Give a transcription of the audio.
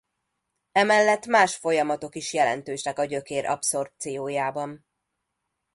Emellett más folyamatok is jelentősek a gyökér abszorpciójában.